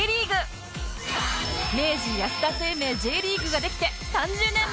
明治安田生命 Ｊ リーグができて３０年目